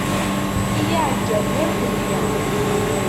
I yiɛeggalen irkkeli.